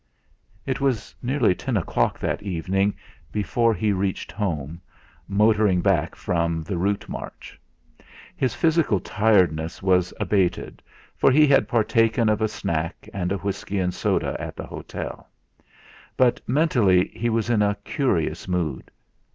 It was nearly ten o'clock that evening before he reached home, motoring back from the route march. His physical tiredness was abated, for he had partaken of a snack and a whisky and soda at the hotel; but mentally he was in a curious mood.